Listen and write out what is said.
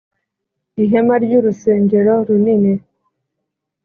ihema ryu rusengero runini